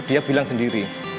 dia bilang sendiri